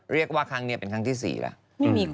เรียกว่าครั้งนี้เป็นครั้งที่๔แล้ว